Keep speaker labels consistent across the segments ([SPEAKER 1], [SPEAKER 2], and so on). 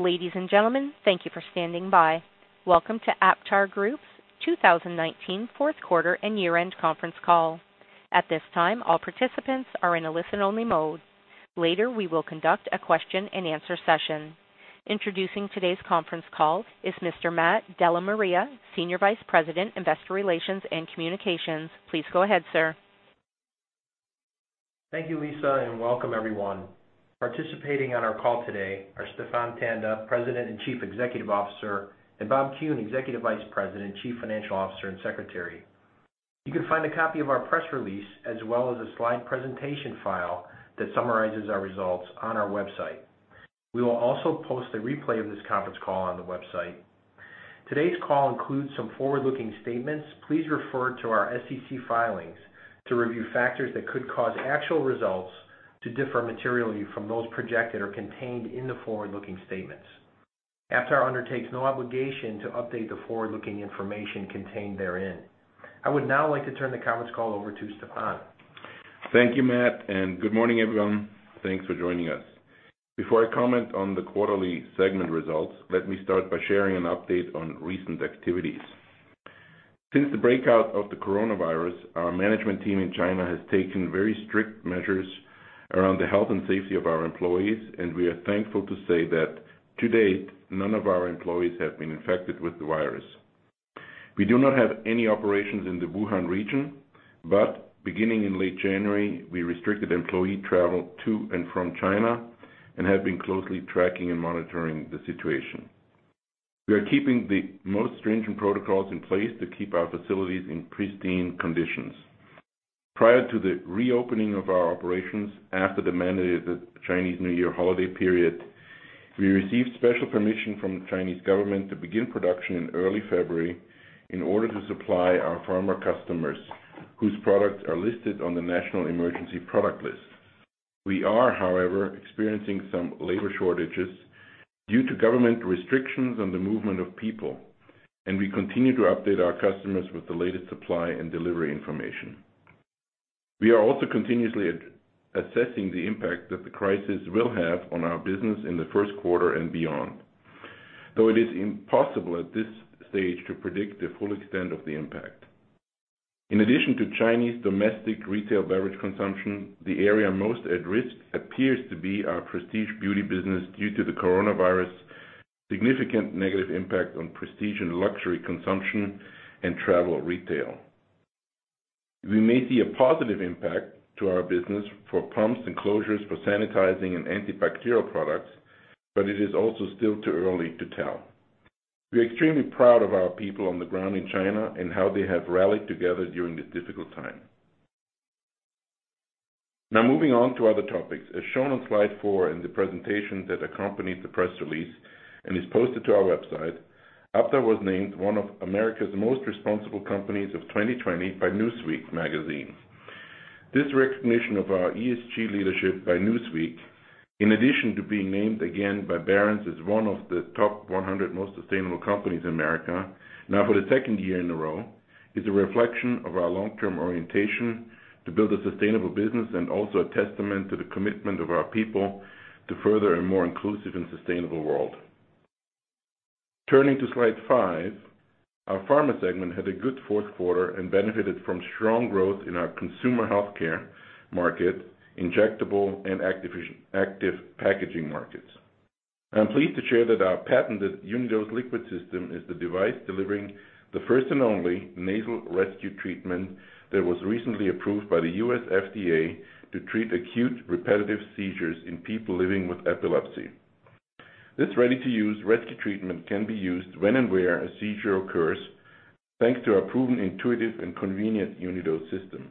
[SPEAKER 1] Ladies and gentlemen, thank you for standing by. Welcome to AptarGroup's 2019 fourth quarter and year-end conference call. At this time, all participants are in a listen-only mode. Later, we will conduct a question and answer session. Introducing today's conference call is Mr. Matt DellaMaria, Senior Vice President, Investor Relations and Communications. Please go ahead, sir.
[SPEAKER 2] Thank you, Lisa, and welcome everyone. Participating on our call today are Stephan Tanda, President and Chief Executive Officer, and Bob Kuhn, Executive Vice President, Chief Financial Officer, and Secretary. You can find a copy of our press release as well as a slide presentation file that summarizes our results on our website. We will also post a replay of this conference call on the website. Today's call includes some forward-looking statements. Please refer to our SEC filings to review factors that could cause actual results to differ materially from those projected or contained in the forward-looking statements. Aptar undertakes no obligation to update the forward-looking information contained therein. I would now like to turn the conference call over to Stephan.
[SPEAKER 3] Thank you, Matt, and good morning, everyone. Thanks for joining us. Before I comment on the quarterly segment results, let me start by sharing an update on recent activities. Since the breakout of the coronavirus, our management team in China has taken very strict measures around the health and safety of our employees, and we are thankful to say that to date, none of our employees have been infected with the virus. We do not have any operations in the Wuhan region, but beginning in late January, we restricted employee travel to and from China and have been closely tracking and monitoring the situation. We are keeping the most stringent protocols in place to keep our facilities in pristine conditions. Prior to the reopening of our operations after the mandated Chinese New Year holiday period, we received special permission from the Chinese government to begin production in early February in order to supply our pharma customers whose products are listed on the national emergency product list. We are, however, experiencing some labor shortages due to government restrictions on the movement of people, and we continue to update our customers with the latest supply and delivery information. We are also continuously assessing the impact that the crisis will have on our business in the first quarter and beyond, though it is impossible at this stage to predict the full extent of the impact. In addition to Chinese domestic retail beverage consumption, the area most at risk appears to be our prestige beauty business due to the coronavirus' significant negative impact on prestige and luxury consumption and travel retail. We may see a positive impact to our business for pumps and closures for sanitizing and antibacterial products, but it is also still too early to tell. We are extremely proud of our people on the ground in China and how they have rallied together during this difficult time. Now, moving on to other topics. As shown on slide four in the presentation that accompanies the press release and is posted to our website, Aptar was named one of America's Most Responsible Companies of 2020 by "Newsweek" magazine. This recognition of our ESG leadership by Newsweek, in addition to being named again by Barron's as one of the top 100 most sustainable companies in America now for the second year in a row, is a reflection of our long-term orientation to build a sustainable business and also a testament to the commitment of our people to further a more inclusive and sustainable world. Turning to slide five, our Pharma segment had a good fourth quarter and benefited from strong growth in our Consumer Health Care market, injectable and active packaging markets. I am pleased to share that our patented Unidose liquid system is the device delivering the first and only nasal rescue treatment that was recently approved by the U.S. FDA to treat acute repetitive seizures in people living with epilepsy. This ready-to-use rescue treatment can be used when and where a seizure occurs, thanks to our proven intuitive and convenient Unidose system.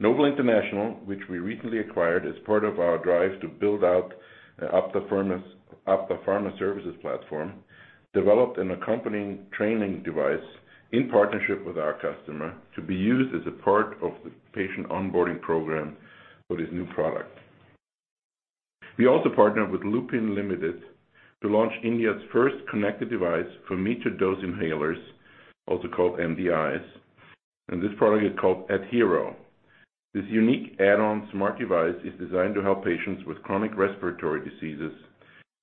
[SPEAKER 3] Noble International, which we recently acquired as part of our drive to build out Aptar Pharma Services platform, developed an accompanying training device in partnership with our customer to be used as a part of the patient onboarding program for this new product. We also partnered with Lupin Limited to launch India's first connected device for Metered Dose Inhalers, also called MDIs. This product is called ADHERO. This unique add-on smart device is designed to help patients with chronic respiratory diseases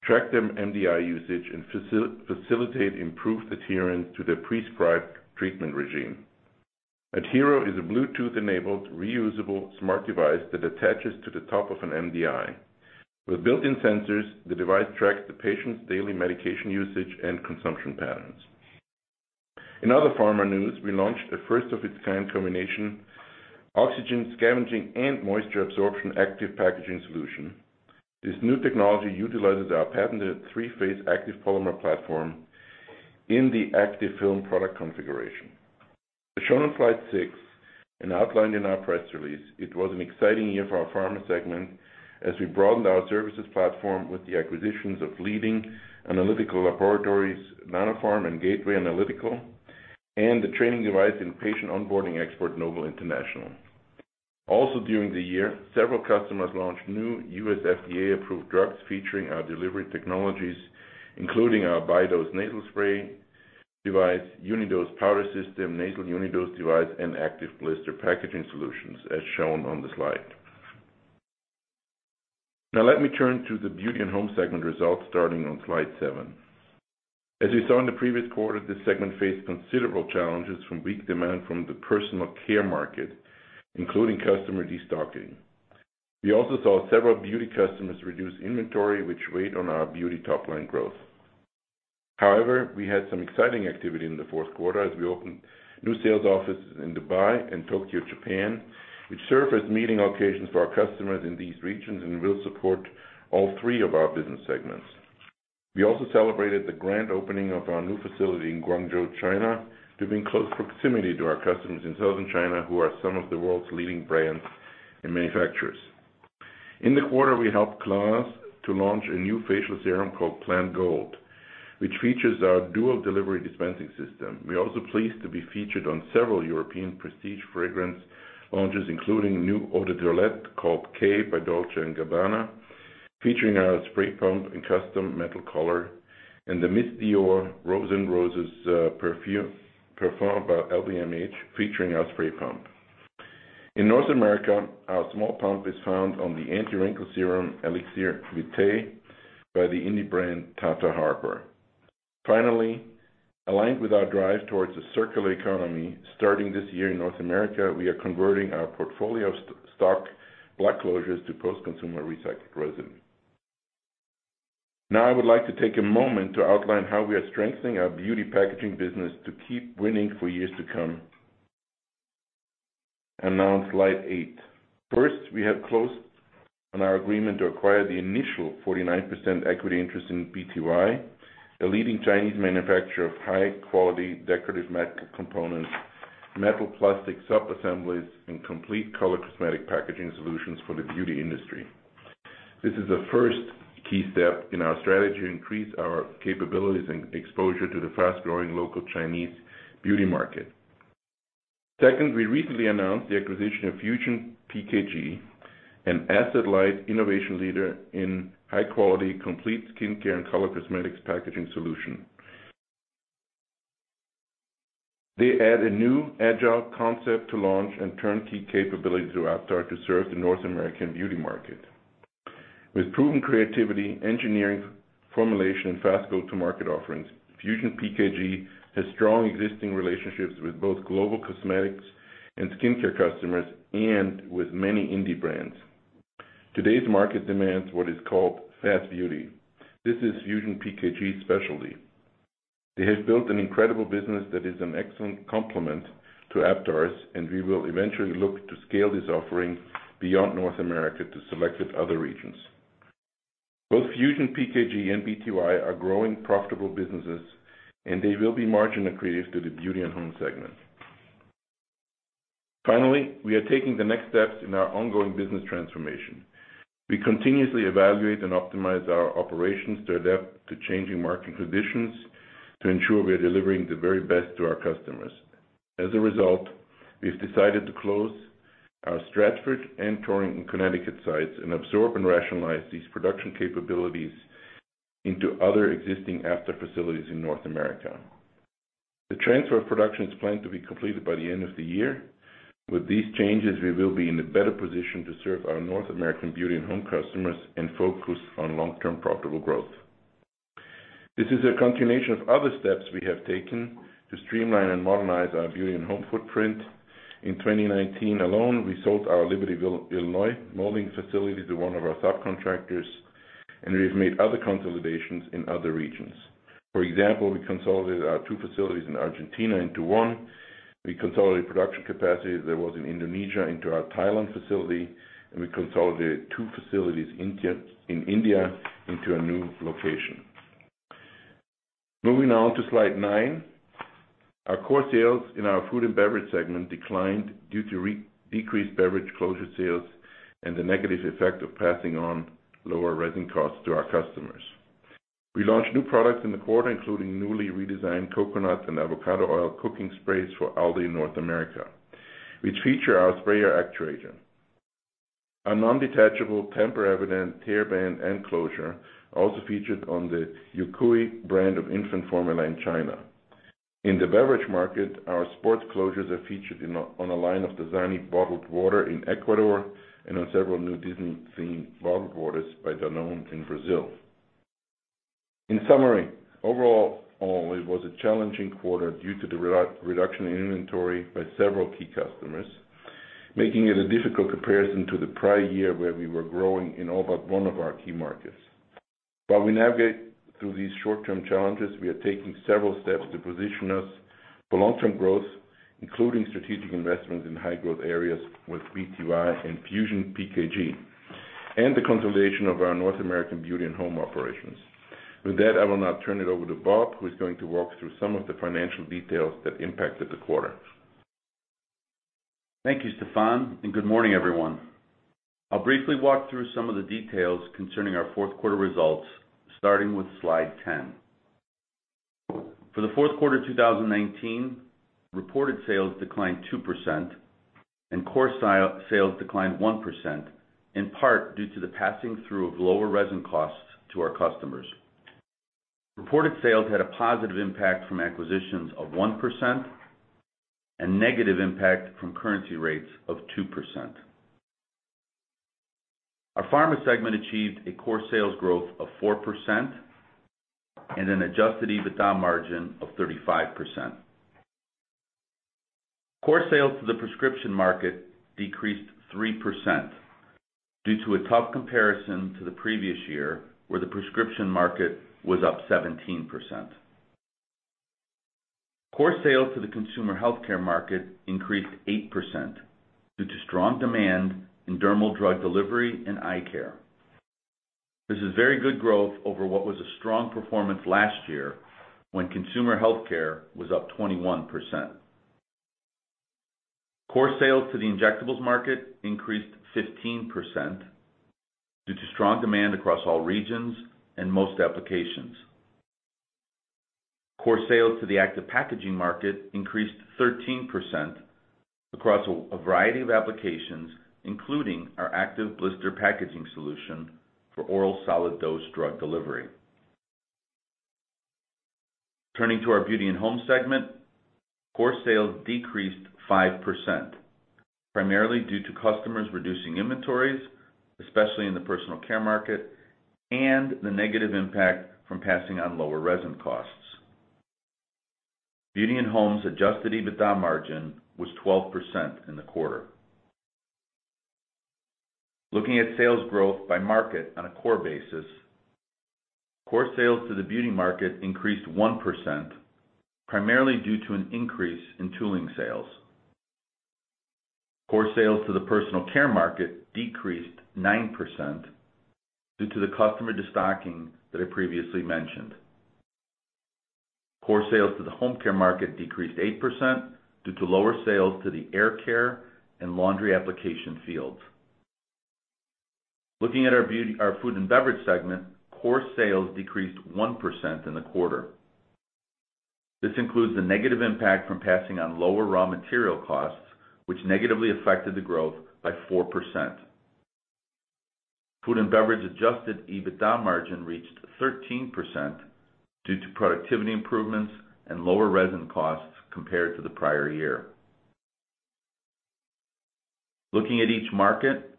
[SPEAKER 3] track their MDI usage and facilitate improved adherence to their prescribed treatment regime. ADHERO is a bluetooth-enabled, reusable smart device that attaches to the top of an MDI. With built-in sensors, the device tracks the patient's daily medication usage and consumption patterns. In other Pharma news, we launched a first-of-its-kind combination oxygen scavenging and moisture absorption active packaging solution. This new technology utilizes our patented three-phase active polymer platform in the active film product configuration. As shown on slide six and outlined in our press release, it was an exciting year for our Pharma segment as we broadened our services platform with the acquisitions of leading analytical laboratories Nanopharm and Gateway Analytical and the training device and patient onboarding expert, Noble International. Also, during the year, several customers launched new U.S. FDA-approved drugs featuring our delivery technologies, including our Bidose nasal spray device, Unidose powder system, nasal Unidose device, and Activ-Blister packaging solutions as shown on the slide. Now let me turn to the Beauty + Home segment results starting on slide seven. As you saw in the previous quarter, this segment faced considerable challenges from weak demand from the personal care market, including customer destocking. We also saw several beauty customers reduce inventory, which weighed on our beauty top-line growth. We had some exciting activity in the fourth quarter as we opened new sales offices in Dubai and Tokyo, Japan, which serve as meeting locations for our customers in these regions and will support all three of our business segments. We also celebrated the grand opening of our new facility in Guangzhou, China, to be in close proximity to our customers in Southern China, who are some of the world's leading brands and manufacturers. In the quarter, we helped Clarins to launch a new facial serum called Plant Gold, which features our dual delivery dispensing system. We're also pleased to be featured on several European prestige fragrance launches, including a new eau de toilette called K by Dolce & Gabbana, featuring our spray pump and custom metal color, and the Miss Dior Rose N'Roses parfum by LVMH, featuring our spray pump. In North America, our small pump is found on the anti-wrinkle serum Elixir Vitae by the indie brand Tata Harper. Finally, aligned with our drive towards a circular economy, starting this year in North America, we are converting our portfolio of stock. Now I would like to take a moment to outline how we are strengthening our beauty packaging business to keep winning for years to come. Now on slide eight. First, we have closed on our agreement to acquire the initial 49% equity interest in BTY, a leading Chinese manufacturer of high-quality decorative makeup components, metal-plastic subassemblies, and complete color cosmetic packaging solutions for the beauty industry. This is the first key step in our strategy to increase our capabilities and exposure to the fast-growing local Chinese beauty market. Second, we recently announced the acquisition of FusionPKG, an asset-light innovation leader in high-quality complete skincare and color cosmetics packaging solution. They add a new agile concept to launch and turnkey capability through Aptar to serve the North American beauty market. With proven creativity, engineering, formulation, and fast go-to-market offerings, FusionPKG has strong existing relationships with both global cosmetics and skincare customers and with many indie brands. Today's market demands what is called fast beauty. This is FusionPKG's specialty. They have built an incredible business that is an excellent complement to Aptar's, and we will eventually look to scale this offering beyond North America to selected other regions. Both FusionPKG and BTY are growing profitable businesses, and they will be margin accretive to the Beauty + Home segment. Finally, we are taking the next steps in our ongoing business transformation. We continuously evaluate and optimize our operations to adapt to changing market conditions to ensure we are delivering the very best to our customers. As a result, we've decided to close our Stratford and Torrington, Connecticut, sites and absorb and rationalize these production capabilities into other existing Aptar facilities in North America. The transfer of production is planned to be completed by the end of the year. With these changes, we will be in a better position to serve our North American Beauty + Home customers and focus on long-term profitable growth. This is a continuation of other steps we have taken to streamline and modernize our Beauty + Home footprint. In 2019 alone, we sold our Libertyville, Illinois, molding facility to one of our subcontractors, and we've made other consolidations in other regions. For example, we consolidated our two facilities in Argentina into one, we consolidated production capacity that was in Indonesia into our Thailand facility, and we consolidated two facilities in India into a new location. Moving on to slide nine. Our core sales in our Food + Beverage segment declined due to decreased beverage closure sales and the negative effect of passing on lower resin costs to our customers. We launched new products in the quarter, including newly redesigned coconut and avocado oil cooking sprays for Aldi North America, which feature our sprayer actuator. A non-detachable tamper-evident tear band and closure also featured on the Yukui brand of infant formula in China. In the beverage market, our sports closures are featured on a line of Dasani bottled water in Ecuador and on several new Disney-themed bottled waters by Danone in Brazil. In summary, overall it was a challenging quarter due to the reduction in inventory by several key customers, making it a difficult comparison to the prior year where we were growing in all but one of our key markets. While we navigate through these short-term challenges, we are taking several steps to position us for long-term growth, including strategic investments in high-growth areas with BTY and FusionPKG and the consolidation of our North American Beauty + Home operations. With that, I will now turn it over to Bob, who is going to walk through some of the financial details that impacted the quarter.
[SPEAKER 4] Thank you, Stephan. Good morning, everyone. I'll briefly walk through some of the details concerning our fourth quarter results, starting with slide 10. For the fourth quarter 2019, reported sales declined 2%. Core sales declined 1%, in part due to the passing through of lower resin costs to our customers. Reported sales had a positive impact from acquisitions of 1% and negative impact from currency rates of 2%. Our Pharma segment achieved a core sales growth of 4% and an adjusted EBITDA margin of 35%. Core sales to the prescription market decreased 3% due to a tough comparison to the previous year, where the prescription market was up 17%. Core sales to the Consumer Health Care market increased 8% due to strong demand in dermal drug delivery and eye care. This is very good growth over what was a strong performance last year when Consumer Health Care was up 21%. Core sales to the injectables market increased 15% due to strong demand across all regions and most applications. Core sales to the active packaging market increased 13% across a variety of applications, including our Activ-Blister packaging solution for oral solid dose drug delivery. Turning to our Beauty + Home segment, core sales decreased 5%, primarily due to customers reducing inventories, especially in the personal care market, and the negative impact from passing on lower resin costs. Beauty + Home's adjusted EBITDA margin was 12% in the quarter. Looking at sales growth by market on a core basis, core sales to the beauty market increased 1%, primarily due to an increase in tooling sales. Core sales to the personal care market decreased 9% due to the customer destocking that I previously mentioned. Core sales to the home care market decreased 8% due to lower sales to the air care and laundry application fields. Looking at our Food + Beverage segment, core sales decreased 1% in the quarter. This includes the negative impact from passing on lower raw material costs, which negatively affected the growth by 4%. Food + Beverage adjusted EBITDA margin reached 13% due to productivity improvements and lower resin costs compared to the prior year. Looking at each market,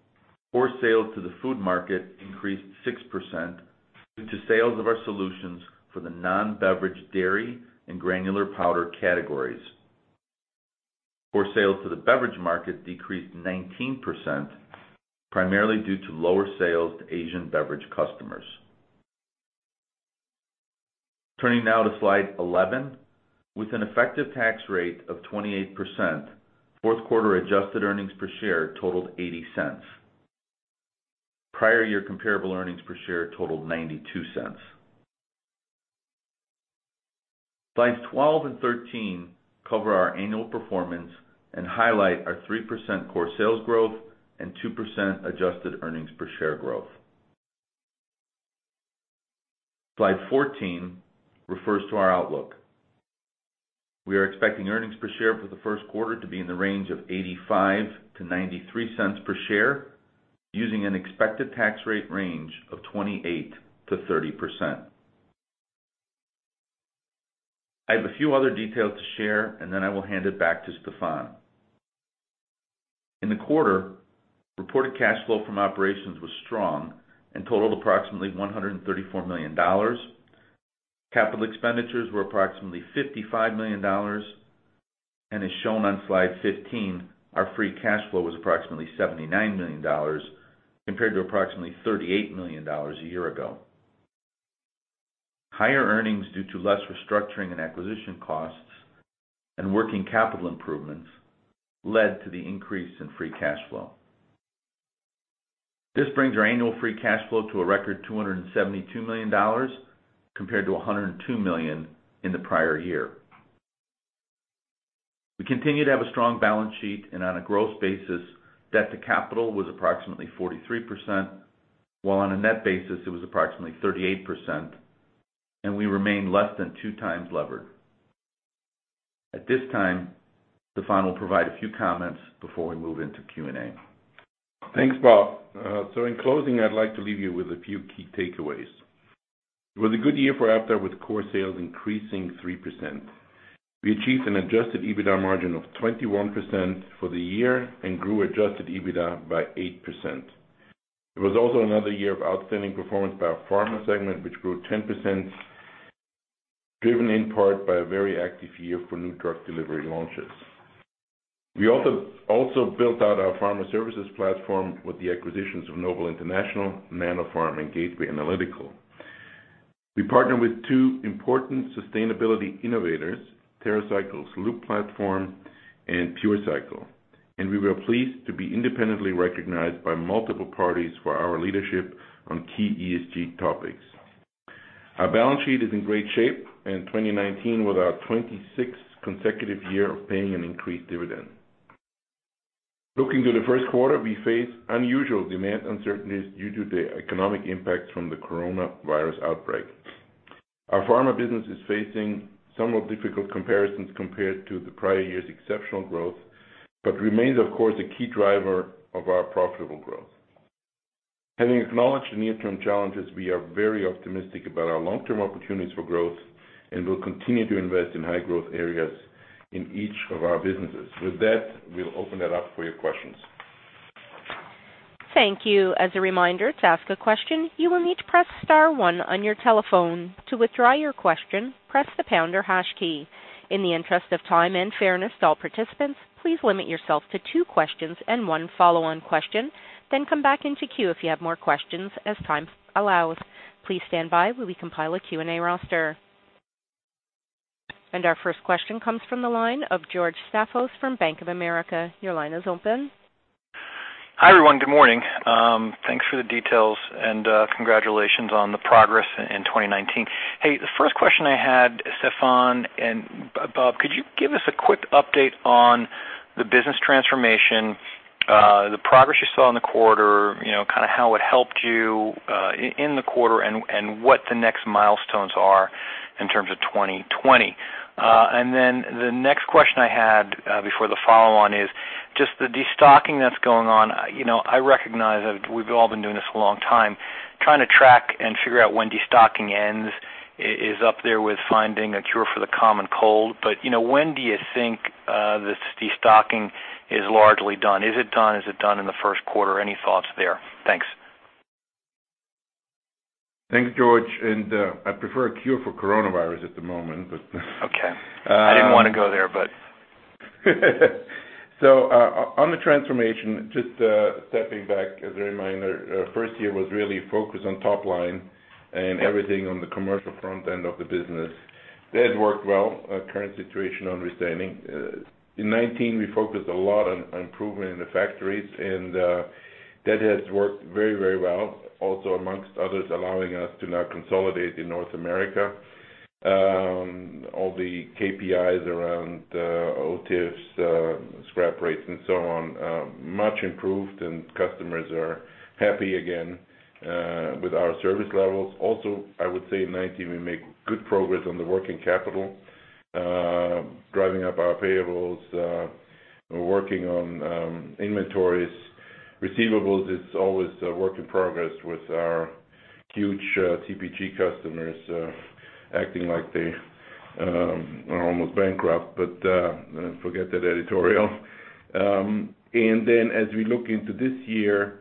[SPEAKER 4] core sales to the food market increased 6% due to sales of our solutions for the non-beverage dairy and granular powder categories. Core sales to the beverage market decreased 19%, primarily due to lower sales to Asian beverage customers. Turning now to slide 11. With an effective tax rate of 28%, fourth quarter adjusted earnings per share totaled $0.80. Prior year comparable earnings per share totaled $0.92. Slides 12 and 13 cover our annual performance and highlight our 3% core sales growth and 2% adjusted earnings per share growth. Slide 14 refers to our outlook. We are expecting earnings per share for the first quarter to be in the range of $0.85-$0.93 per share, using an expected tax rate range of 28%-30%. I have a few other details to share and then I will hand it back to Stephan. In the quarter, reported cash flow from operations was strong and totaled approximately $134 million. Capital expenditures were approximately $55 million. As shown on slide 15, our free cash flow was approximately $79 million compared to approximately $38 million a year ago. Higher earnings due to less restructuring and acquisition costs and working capital improvements led to the increase in free cash flow. This brings our annual free cash flow to a record $272 million, compared to $102 million in the prior year. We continue to have a strong balance sheet, and on a gross basis, debt to capital was approximately 43%, while on a net basis it was approximately 38%, and we remain less than two times levered. At this time, Stephan will provide a few comments before we move into Q&A.
[SPEAKER 3] Thanks, Bob. In closing, I'd like to leave you with a few key takeaways. It was a good year for Aptar with core sales increasing 3%. We achieved an adjusted EBITDA margin of 21% for the year and grew adjusted EBITDA by 8%. It was also another year of outstanding performance by our Pharma segment, which grew 10%, driven in part by a very active year for new drug delivery launches. We also built out our Pharma Services platform with the acquisitions of Noble International, Nanopharm, and Gateway Analytical. We partnered with two important sustainability innovators, TerraCycle's Loop platform and PureCycle, and we were pleased to be independently recognized by multiple parties for our leadership on key ESG topics. Our balance sheet is in great shape, and 2019 was our 26th consecutive year of paying an increased dividend. Looking to the first quarter, we face unusual demand uncertainties due to the economic impact from the coronavirus outbreak. Our pharma business is facing somewhat difficult comparisons compared to the prior year's exceptional growth, but remains, of course, a key driver of our profitable growth. Having acknowledged the near-term challenges, we are very optimistic about our long-term opportunities for growth, and will continue to invest in high growth areas in each of our businesses. With that, we'll open it up for your questions.
[SPEAKER 1] Thank you. As a reminder, to ask a question, you will need to press star one on your telephone. To withdraw your question, press the pound or hash key. In the interest of time and fairness to all participants, please limit yourself to two questions and one follow-on question, then come back into queue if you have more questions as time allows. Please stand by while we compile a Q&A roster. Our first question comes from the line of George Staphos from Bank of America. Your line is open.
[SPEAKER 5] Hi, everyone. Good morning. Thanks for the details, and congratulations on the progress in 2019. Hey, the first question I had, Stephan and Bob, could you give us a quick update on the business transformation, the progress you saw in the quarter, how it helped you in the quarter, and what the next milestones are in terms of 2020? The next question I had, before the follow-on, is just the de-stocking that's going on. I recognize we've all been doing this a long time. Trying to track and figure out when de-stocking ends is up there with finding a cure for the common cold. When do you think this de-stocking is largely done? Is it done? Is it done in the first quarter? Any thoughts there? Thanks.
[SPEAKER 3] Thanks, George. I prefer a cure for coronavirus at the moment, but.
[SPEAKER 5] Okay. I didn't want to go there, but
[SPEAKER 3] On the transformation, just stepping back as a reminder, first year was really focused on top line and everything on the commercial front end of the business. That worked well. Current situation withstanding. In 2019, we focused a lot on improving the factories and that has worked very well. Also, amongst others, allowing us to now consolidate in North America. All the KPIs around OTIF, scrap rates, and so on, much improved and customers are happy again with our service levels. Also, I would say in 2019, we made good progress on the working capital, driving up our payables. We're working on inventories. Receivables, it's always a work in progress with our huge CPG customers acting like they are almost bankrupt. Forget that editorial. As we look into this year,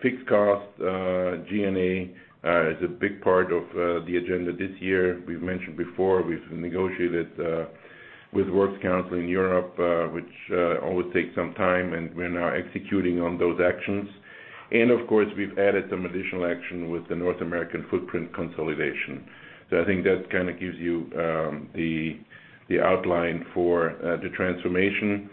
[SPEAKER 3] fixed costs, G&A is a big part of the agenda this year. We've mentioned before, we've negotiated with works council in Europe, which always takes some time, and we're now executing on those actions. Of course, we've added some additional action with the North American footprint consolidation. I think that gives you the outline for the transformation.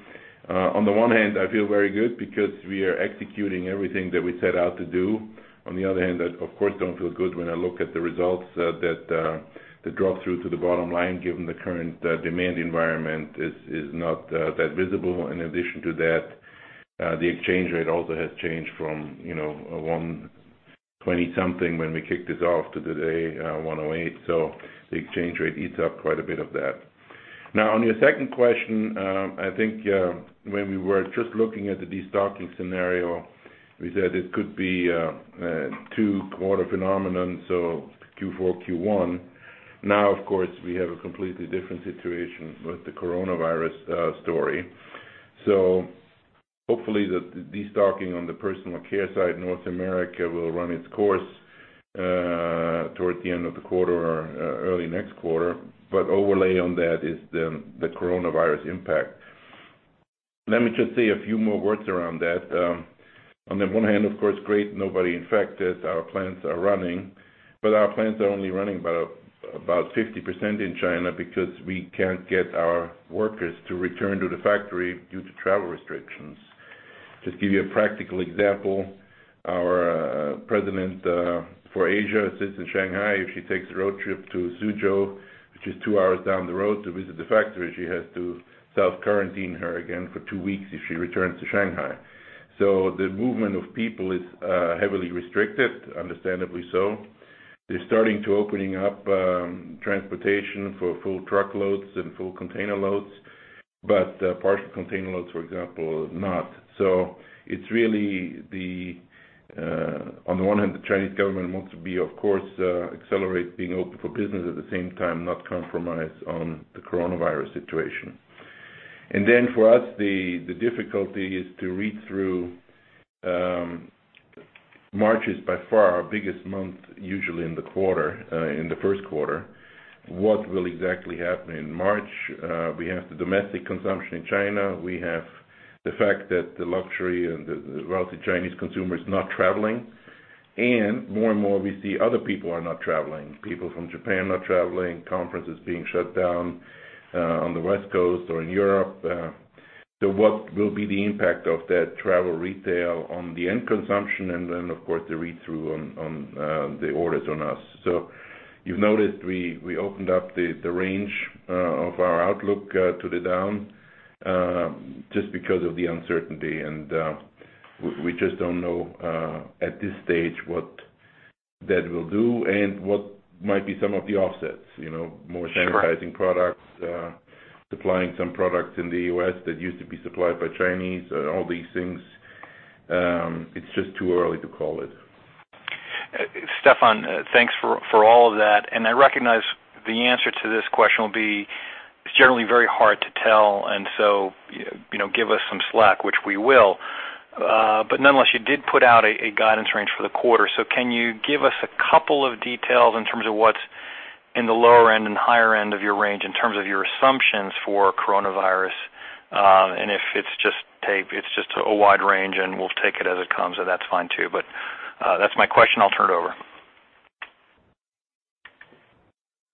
[SPEAKER 3] On the one hand, I feel very good because we are executing everything that we set out to do. On the other hand, I of course don't feel good when I look at the results that the drop-through to the bottom line, given the current demand environment, is not that visible. In addition to that, the exchange rate also has changed from 120-something when we kicked this off to today, 108. The exchange rate eats up quite a bit of that. On your second question, I think when we were just looking at the de-stocking scenario, we said it could be a two-quarter phenomenon, so Q4, Q1. Of course, we have a completely different situation with the coronavirus story. Hopefully the de-stocking on the personal care side in North America will run its course towards the end of the quarter or early next quarter. Overlay on that is the coronavirus impact. Let me just say a few more words around that. On the one hand, of course, great. Nobody infected. Our plants are running. Our plants are only running about 50% in China because we can't get our workers to return to the factory due to travel restrictions. Just give you a practical example. Our president for Asia sits in Shanghai. If she takes a road trip to Suzhou, which is two hours down the road to visit the factory, she has to self-quarantine her again for two weeks if she returns to Shanghai. The movement of people is heavily restricted, understandably so. They're starting to opening up transportation for full truckloads and full container loads, but partial container loads, for example, not. It's really on the one hand, the Chinese government wants to, of course, accelerate being open for business, at the same time, not compromise on the coronavirus situation. For us, the difficulty is to read through. March is by far our biggest month, usually in the first quarter. What will exactly happen in March? We have the domestic consumption in China. We have the fact that the luxury and the wealthy Chinese consumer is not traveling. More and more we see other people are not traveling. People from Japan not traveling, conferences being shut down on the West Coast or in Europe. What will be the impact of that travel retail on the end consumption and then of course the read-through on the orders on us? You've noticed we opened up the range of our outlook to the down, just because of the uncertainty and we just don't know, at this stage what that will do and what might be some of the offsets. More sanitizing products, supplying some products in the U.S. that used to be supplied by Chinese, all these things. It's just too early to call it.
[SPEAKER 5] Stephan, thanks for all of that. I recognize the answer to this question will be generally very hard to tell, and so give us some slack, which we will. Nonetheless, you did put out a guidance range for the quarter. Can you give us a couple of details in terms of what's in the lower end and higher end of your range in terms of your assumptions for coronavirus? If it's just a wide range and we'll take it as it comes, then that's fine too. That's my question. I'll turn it over.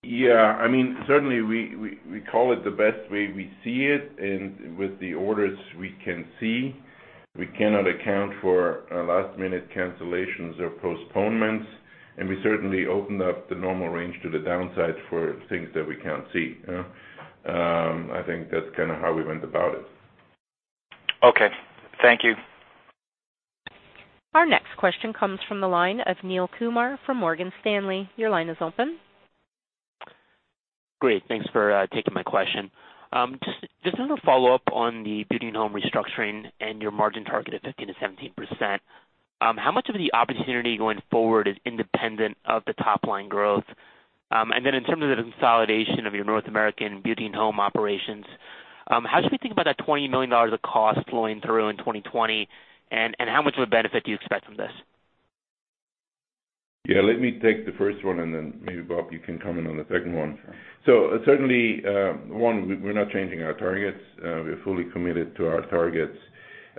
[SPEAKER 3] Yeah. Certainly, we call it the best way we see it and with the orders we can see. We cannot account for last-minute cancellations or postponements, and we certainly opened up the normal range to the downside for things that we can't see. I think that's kind of how we went about it.
[SPEAKER 5] Okay. Thank you.
[SPEAKER 1] Our next question comes from the line of Neel Kumar from Morgan Stanley. Your line is open.
[SPEAKER 6] Great. Thanks for taking my question. Just on a follow-up on the Beauty + Home restructuring and your margin target of 15%-17%, how much of the opportunity going forward is independent of the top-line growth? In terms of the consolidation of your North American Beauty + Home operations, how should we think about that $20 million of cost flowing through in 2020, and how much of a benefit do you expect from this?
[SPEAKER 3] Yeah, let me take the first one, and then maybe Bob, you can comment on the second one. Certainly, one, we're not changing our targets. We are fully committed to our targets.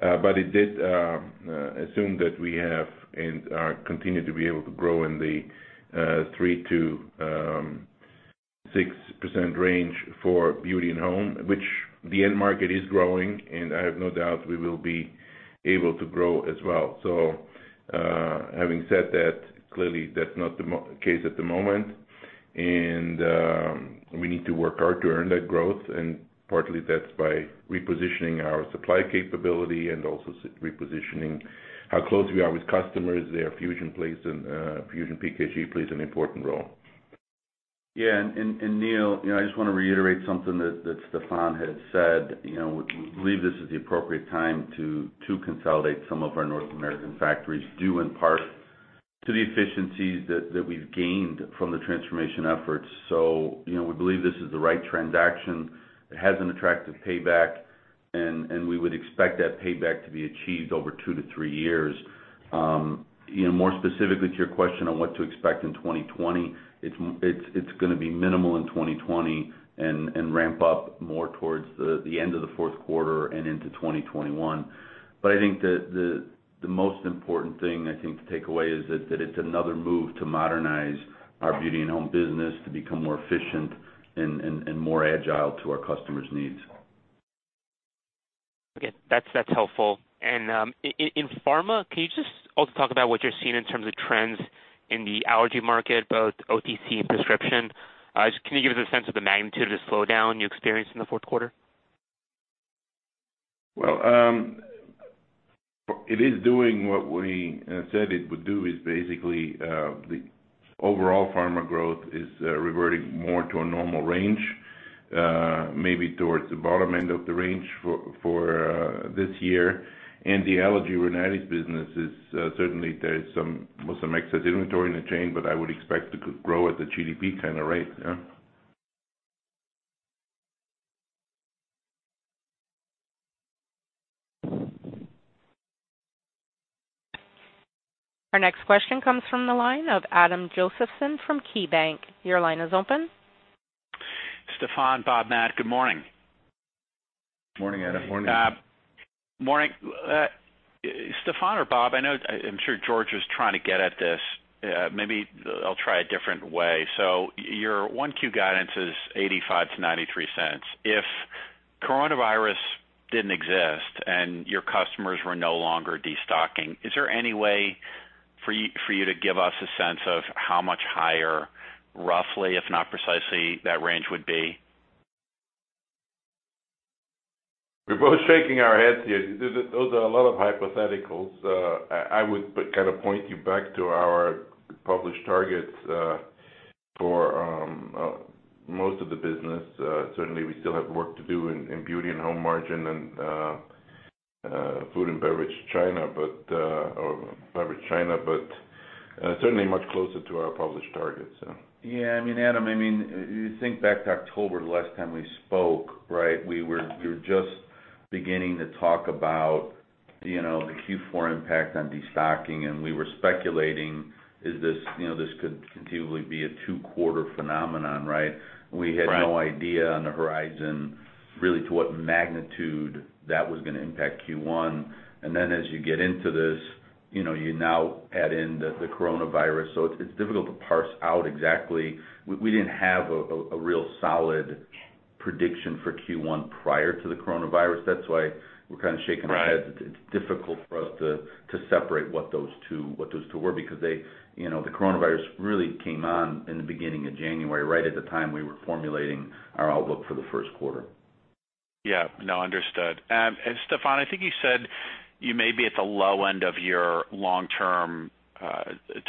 [SPEAKER 3] It did assume that we have and continue to be able to grow in the 3%-6% range for Beauty + Home, which the end market is growing, and I have no doubt we will be able to grow as well. Having said that, clearly that's not the case at the moment, and we need to work hard to earn that growth. Partly that's by repositioning our supply capability and also repositioning how close we are with customers. There, FusionPKG plays an important role.
[SPEAKER 4] Yeah. Neel, I just want to reiterate something that Stephan had said. We believe this is the appropriate time to consolidate some of our North American factories due in part to the efficiencies that we've gained from the transformation efforts. We believe this is the right transaction. It has an attractive payback, and we would expect that payback to be achieved over two to three years. More specifically to your question on what to expect in 2020, it's going to be minimal in 2020 and ramp up more towards the end of the fourth quarter and into 2021. I think the most important thing I think to take away is that it's another move to modernize our Beauty + Home business to become more efficient and more agile to our customers' needs.
[SPEAKER 6] Okay. That's helpful. In Pharma, can you just also talk about what you're seeing in terms of trends in the allergy market, both OTC and prescription? Can you give us a sense of the magnitude of the slowdown you experienced in the fourth quarter?
[SPEAKER 3] Well, it is doing what we said it would do, is basically the overall pharma growth is reverting more to a normal range, maybe towards the bottom end of the range for this year. The allergy rhinitis business is, certainly there is some excess inventory in the chain, but I would expect it could grow at the GDP kind of rate, yeah.
[SPEAKER 1] Our next question comes from the line of Adam Josephson from KeyBanc. Your line is open.
[SPEAKER 7] Stephan, Bob, Matt, good morning.
[SPEAKER 3] Morning, Adam.
[SPEAKER 4] Morning.
[SPEAKER 7] Morning. Stephan or Bob, I'm sure George was trying to get at this. Maybe I'll try a different way. Your 1Q guidance is $0.85-$0.93. If coronavirus didn't exist and your customers were no longer destocking, is there any way for you to give us a sense of how much higher, roughly, if not precisely, that range would be?
[SPEAKER 3] We're both shaking our heads here. Those are a lot of hypotheticals. I would kind of point you back to our published targets for most of the business. Certainly, we still have work to do in Beauty + Home margin and Food + Beverage China, but certainly much closer to our published targets.
[SPEAKER 4] Yeah, Adam, you think back to October, the last time we spoke, we were just beginning to talk about the Q4 impact on destocking, and we were speculating this could continually be a two-quarter phenomenon.
[SPEAKER 7] Right.
[SPEAKER 4] We had no idea on the horizon really to what magnitude that was going to impact Q1. As you get into this, you now add in the coronavirus. It's difficult to parse out exactly. We didn't have a real solid prediction for Q1 prior to the coronavirus. That's why we're kind of shaking our heads. It's difficult for us to separate what those two were because the coronavirus really came on in the beginning of January, right at the time we were formulating our outlook for the first quarter.
[SPEAKER 7] Yeah. No, understood. Stephan, I think you said you may be at the low end of your long-term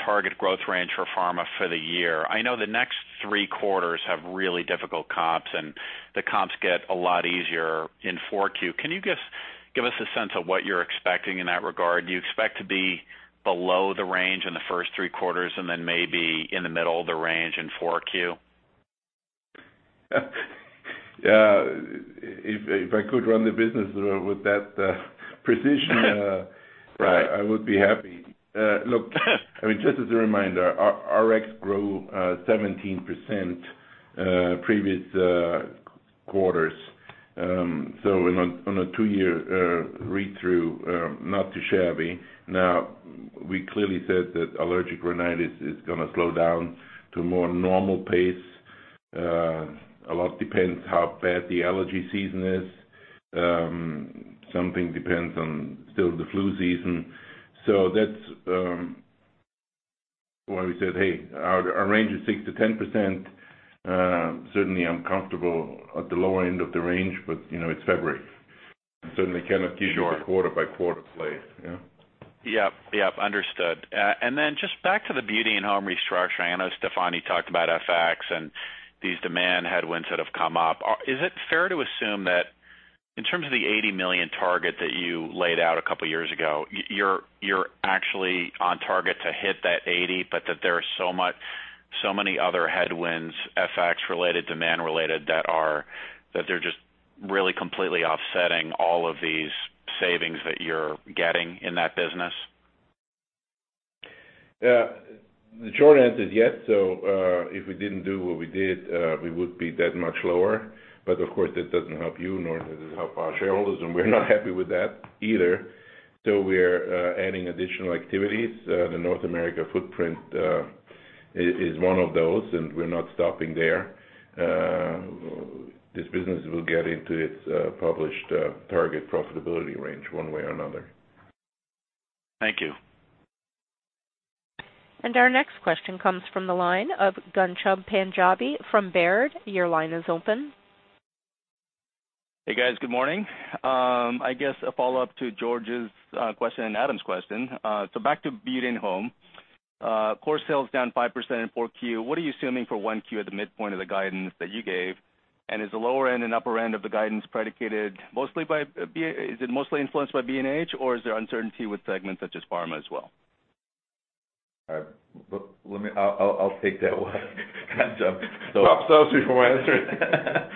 [SPEAKER 7] target growth range for Pharma for the year. I know the next three quarters have really difficult comps, and the comps get a lot easier in 4Q. Can you give us a sense of what you're expecting in that regard? Do you expect to be below the range in the first three quarters and then maybe in the middle of the range in 4Q?
[SPEAKER 3] Yeah. If I could run the business with that precision.
[SPEAKER 7] Right.
[SPEAKER 3] I would be happy. Look, just as a reminder, our Rx grew 17% previous quarters. On a two-year read-through, not too shabby. We clearly said that allergic rhinitis is going to slow down to a more normal pace. A lot depends how bad the allergy season is. Something depends on still the flu season. That's why we said, hey, our range is 6%-10%. Certainly, I'm comfortable at the lower end of the range, but it's February, and certainly cannot give you the quarter-by-quarter play.
[SPEAKER 7] Yep. Understood. Just back to the Beauty + Home restructure. I know Stephan talked about FX and these demand headwinds that have come up. Is it fair to assume that in terms of the $80 million target that you laid out a couple of years ago, you're actually on target to hit that $80 million, but that there are so many other headwinds, FX-related, demand-related, that they're just really completely offsetting all of these savings that you're getting in that business?
[SPEAKER 3] The short answer is yes. If we didn't do what we did, we would be that much lower. Of course, that doesn't help you, nor does it help our shareholders, and we're not happy with that either. We're adding additional activities. The North America footprint is one of those, and we're not stopping there. This business will get into its published target profitability range one way or another.
[SPEAKER 7] Thank you.
[SPEAKER 1] Our next question comes from the line of Ghansham Panjabi from Baird. Your line is open.
[SPEAKER 8] Hey, guys. Good morning. I guess a follow-up to George's question and Adam's question. Back to Beauty + Home. Core sales down 5% in 4Q. What are you assuming for one Q at the midpoint of the guidance that you gave? Is the lower end and upper end of the guidance mostly influenced by B&H, or is there uncertainty with segments such as Pharma as well?
[SPEAKER 4] All right. I'll take that one. Ghansham.
[SPEAKER 3] Pop those before I answer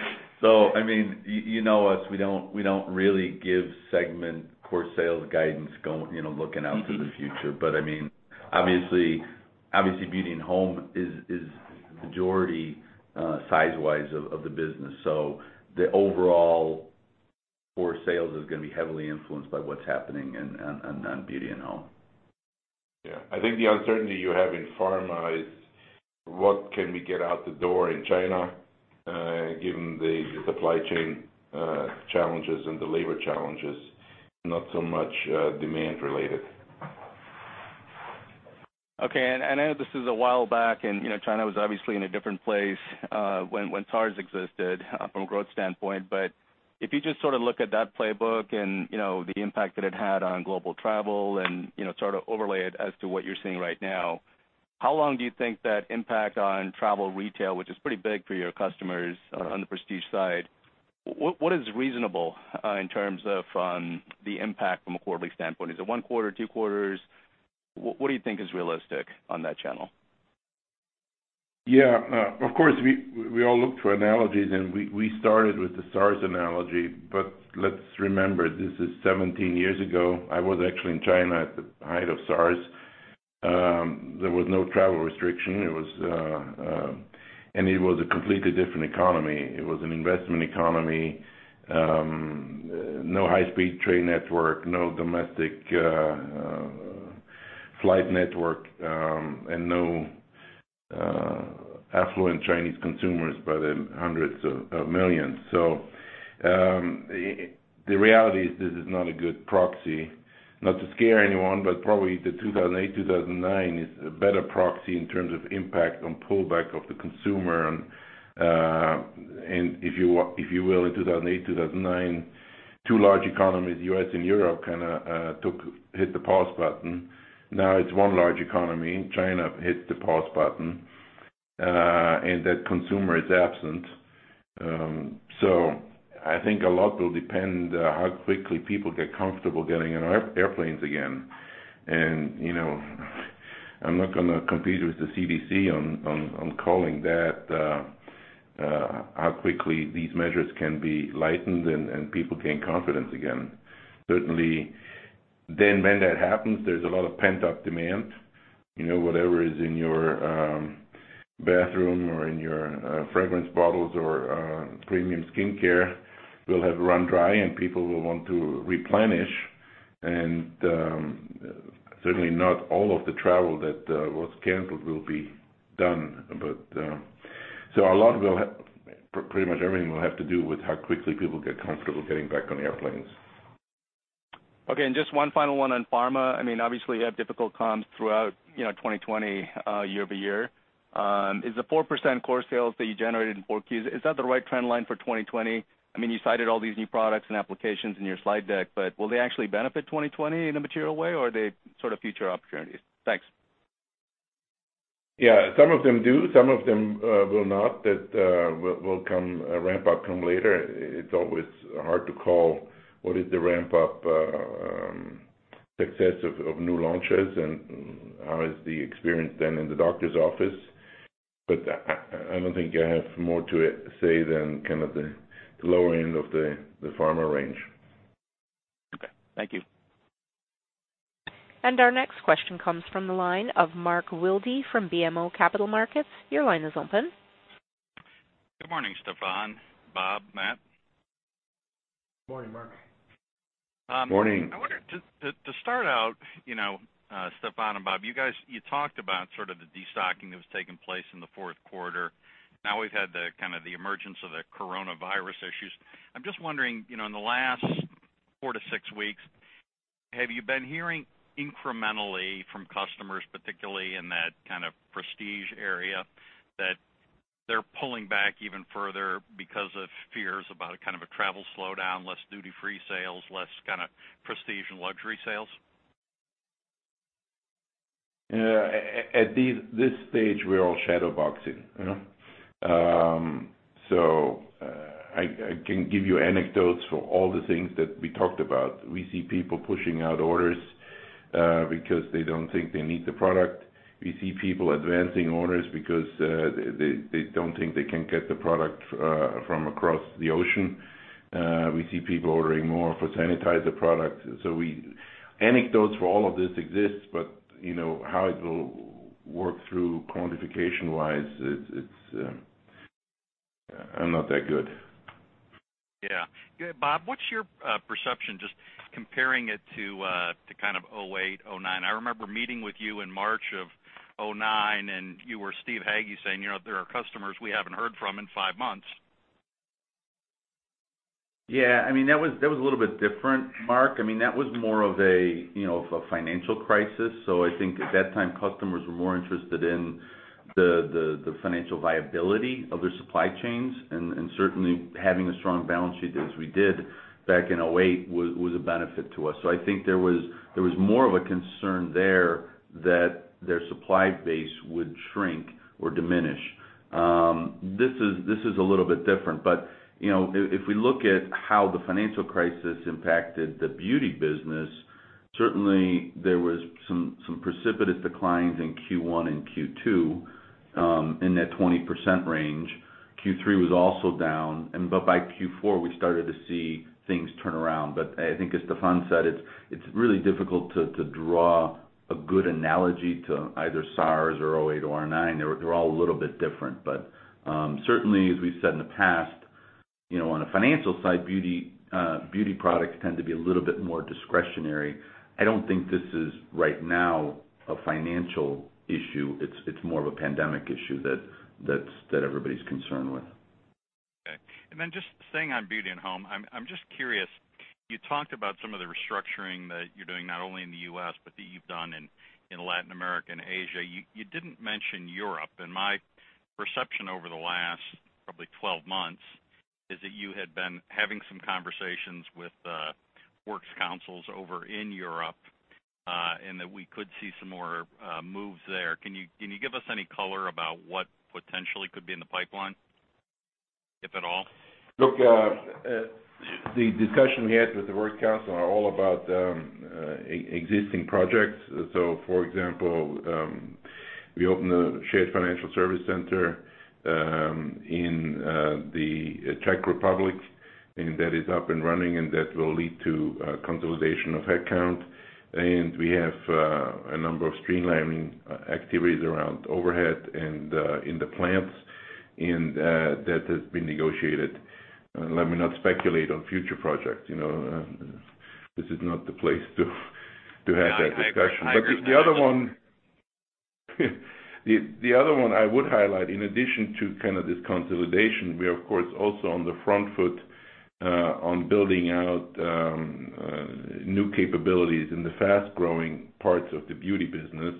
[SPEAKER 3] it.
[SPEAKER 4] You know us, we don't really give segment core sales guidance looking out to the future. Obviously Beauty + Home is the majority size-wise of the business. The overall core sales is going to be heavily influenced by what's happening on Beauty + Home.
[SPEAKER 3] I think the uncertainty you have in pharma is what can we get out the door in China, given the supply chain challenges and the labor challenges, not so much demand related.
[SPEAKER 8] Okay. I know this is a while back, and China was obviously in a different place when SARS existed from a growth standpoint. If you just look at that playbook and the impact that it had on global travel and overlay it as to what you're seeing right now, how long do you think that impact on travel retail, which is pretty big for your customers on the prestige side, what is reasonable in terms of the impact from a quarterly standpoint? Is it one quarter, two quarters? What do you think is realistic on that channel?
[SPEAKER 3] Yeah. Of course, we all look for analogies, and we started with the SARS analogy. Let's remember, this is 17 years ago. I was actually in China at the height of SARS. There was no travel restriction, and it was a completely different economy. It was an investment economy. No high-speed train network, no domestic flight network, and no affluent Chinese consumers by the hundreds of millions. The reality is this is not a good proxy. Not to scare anyone, but probably the 2008, 2009 is a better proxy in terms of impact on pullback of the consumer on, if you will, in 2008, 2009, two large economies, U.S. and Europe, hit the pause button. Now it's one large economy. China hit the pause button, and that consumer is absent. I think a lot will depend how quickly people get comfortable getting on airplanes again. I'm not going to compete with the CDC on calling that, how quickly these measures can be lightened and people gain confidence again. When that happens, there's a lot of pent-up demand. Whatever is in your bathroom or in your fragrance bottles or premium skincare will have run dry, and people will want to replenish. Not all of the travel that was canceled will be done. Pretty much everything will have to do with how quickly people get comfortable getting back on airplanes.
[SPEAKER 8] Okay, just one final one on pharma. Obviously, you have difficult comps throughout 2020 year-over-year. Is the 4% core sales that you generated in 4Q, is that the right trend line for 2020? You cited all these new products and applications in your slide deck, but will they actually benefit 2020 in a material way, or are they sort of future opportunities? Thanks.
[SPEAKER 3] Yeah. Some of them do, some of them will not. That will ramp up come later. It's always hard to call what is the ramp-up success of new launches and how is the experience then in the doctor's office. I don't think I have more to say than the lower end of the pharma range.
[SPEAKER 8] Okay. Thank you.
[SPEAKER 1] Our next question comes from the line of Mark Wilde from BMO Capital Markets. Your line is open.
[SPEAKER 9] Good morning, Stephan, Bob, Matt.
[SPEAKER 4] Morning, Mark.
[SPEAKER 3] Morning.
[SPEAKER 9] I wonder, to start out, Stephan and Bob, you guys talked about sort of the de-stocking that was taking place in the fourth quarter. Now we've had the emergence of the coronavirus issues. I'm just wondering, in the last four to six weeks, have you been hearing incrementally from customers, particularly in that kind of prestige area, that they're pulling back even further because of fears about a travel slowdown, less duty-free sales, less prestige and luxury sales?
[SPEAKER 3] At this stage, we're all shadow boxing. I can give you anecdotes for all the things that we talked about. We see people pushing out orders because they don't think they need the product. We see people advancing orders because they don't think they can get the product from across the ocean. We see people ordering more for sanitizer products. Anecdotes for all of this exists, but how it will work through quantification-wise, I'm not that good.
[SPEAKER 9] Yeah. Bob, what's your perception, just comparing it to kind of 2008, 2009? I remember meeting with you in March of 2009, and you or Steve Hagge saying, "There are customers we haven't heard from in five months."
[SPEAKER 4] That was a little bit different, Mark. That was more of a financial crisis. I think at that time, customers were more interested in the financial viability of their supply chains. Certainly having a strong balance sheet, as we did back in 2008, was a benefit to us. I think there was more of a concern there that their supply base would shrink or diminish. This is a little bit different, but if we look at how the financial crisis impacted the beauty business, certainly there was some precipitous declines in Q1 and Q2, in that 20% range. Q3 was also down, but by Q4, we started to see things turn around. I think as Stephan said, it's really difficult to draw a good analogy to either SARS or 2008 or 2009. They're all a little bit different. Certainly, as we've said in the past, on a financial side, beauty products tend to be a little bit more discretionary. I don't think this is, right now, a financial issue. It's more of a pandemic issue that everybody's concerned with.
[SPEAKER 9] Okay. Just staying on Beauty + Home, I'm just curious, you talked about some of the restructuring that you're doing, not only in the U.S., but that you've done in Latin America and Asia. You didn't mention Europe, and my perception over the last probably 12 months is that you had been having some conversations with the works councils over in Europe, and that we could see some more moves there. Can you give us any color about what potentially could be in the pipeline, if at all?
[SPEAKER 3] Look, the discussion we had with the works council are all about existing projects. For example, we opened a shared financial service center in the Czech Republic, and that is up and running, and that will lead to a consolidation of headcount. We have a number of streamlining activities around overhead and in the plants, and that has been negotiated. Let me not speculate on future projects. This is not the place to have that discussion.
[SPEAKER 9] No, I agree.
[SPEAKER 3] The other one I would highlight, in addition to this consolidation, we are, of course, also on the front foot on building out new capabilities in the fast-growing parts of the beauty business.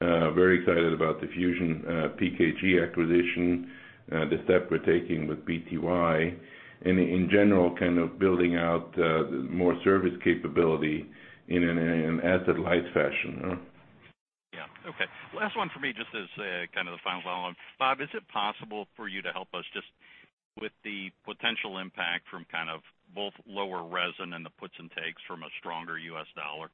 [SPEAKER 3] Very excited about the FusionPKG acquisition, the step we're taking with BTY, and in general, kind of building out more service capability in an asset-light fashion.
[SPEAKER 9] Yeah. Okay. Last one for me, just as kind of the final follow-on. Bob, is it possible for you to help us just with the potential impact from both lower resin and the puts and takes from a stronger US dollar?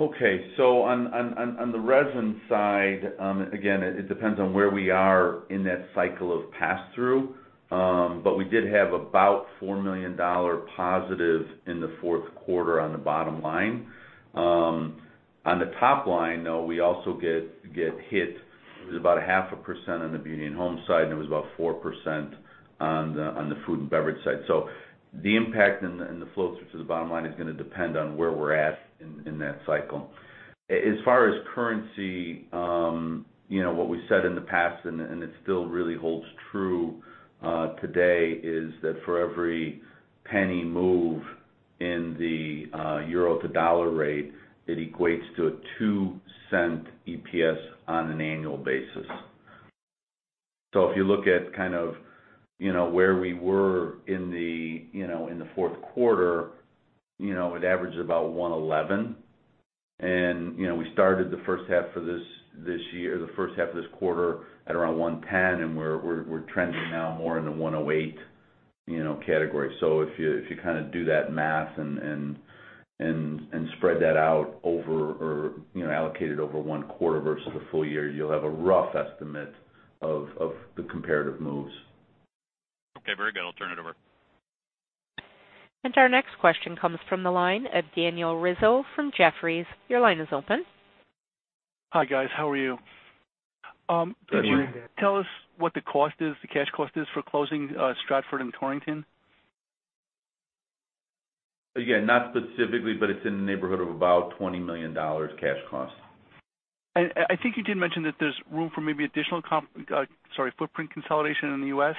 [SPEAKER 4] Okay. On the resin side, again, it depends on where we are in that cycle of pass-through. We did have about $4 million positive in the fourth quarter on the bottom line. On the top line, though, we also get hit. It was about a half a percent on the Beauty + Home side, and it was about 4% on the Food + Beverage side. The impact in the flow through to the bottom line is going to depend on where we're at in that cycle. As far as currency, what we said in the past, and it still really holds true today is that for every penny move in the euro to dollar rate, it equates to a $0.02 EPS on an annual basis. If you look at where we were in the fourth quarter, it averaged about 111. We started the first half of this quarter at around 110, and we're trending now more in the 108 category. So if you do that math and spread that out over or allocate it over one quarter versus the full year, you'll have a rough estimate of the comparative moves.
[SPEAKER 9] Okay, very good. I'll turn it over.
[SPEAKER 1] Our next question comes from the line of Daniel Rizzo from Jefferies. Your line is open.
[SPEAKER 10] Hi, guys. How are you?
[SPEAKER 4] Good.
[SPEAKER 10] Can you tell us what the cash cost is for closing Stratford and Torrington?
[SPEAKER 4] Not specifically, but it's in the neighborhood of about $20 million cash cost.
[SPEAKER 10] I think you did mention that there's room for maybe additional footprint consolidation in the U.S.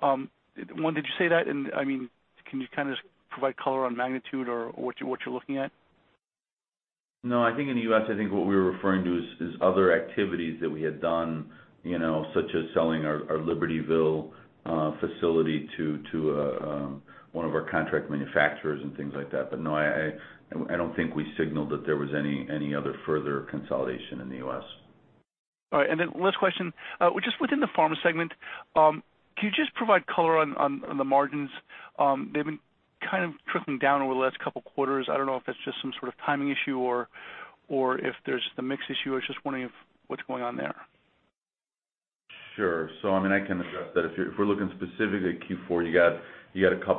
[SPEAKER 10] One, did you say that, can you just provide color on magnitude or what you're looking at?
[SPEAKER 4] No, I think in the U.S., I think what we were referring to is other activities that we had done, such as selling our Libertyville facility to one of our contract manufacturers and things like that. No, I don't think we signaled that there was any other further consolidation in the U.S.
[SPEAKER 10] All right. Last question, just within the Pharma segment, can you just provide color on the margins? They've been kind of trickling down over the last couple of quarters. I don't know if that's just some sort of timing issue or if there's the mix issue. I was just wondering what's going on there.
[SPEAKER 4] Sure. I can address that. If we're looking specifically at Q4, you got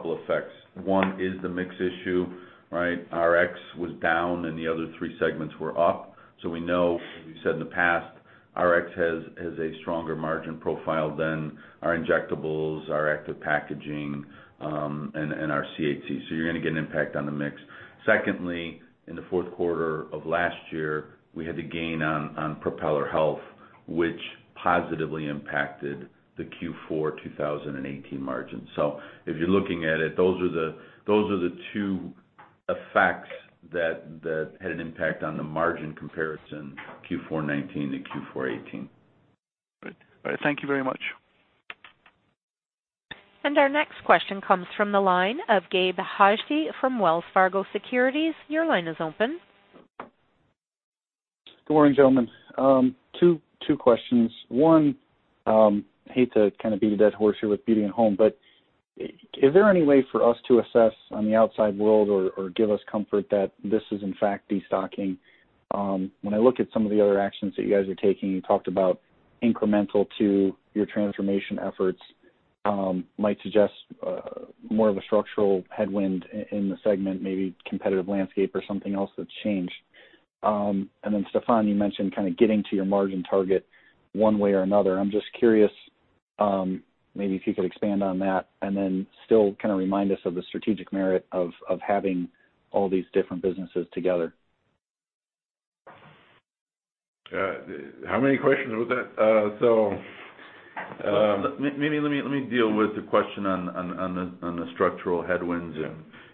[SPEAKER 4] two effects. One is the mix issue, right? Rx was down and the other three segments were up. We know, as we've said in the past, Rx has a stronger margin profile than our injectables, our active packaging, and our CHC. You're going to get an impact on the mix. Secondly, in the fourth quarter of last year, we had the gain on Propeller Health, which positively impacted the Q4 2018 margin. If you're looking at it, those are the two effects that had an impact on the margin comparison, Q4 2019 to Q4 2018.
[SPEAKER 10] All right. Thank you very much.
[SPEAKER 1] Our next question comes from the line of Gabe Hajde from Wells Fargo Securities. Your line is open.
[SPEAKER 11] Good morning, gentlemen. Two questions. One, hate to kind of beat a dead horse here with Beauty + Home, is there any way for us to assess on the outside world or give us comfort that this is in fact destocking? When I look at some of the other actions that you guys are taking, you talked about incremental to your transformation efforts, might suggest more of a structural headwind in the segment, maybe competitive landscape or something else that's changed. Then Stephan, you mentioned kind of getting to your margin target one way or another. I'm just curious, maybe if you could expand on that and then still kind of remind us of the strategic merit of having all these different businesses together.
[SPEAKER 4] How many questions was that? Maybe let me deal with the question on the structural headwinds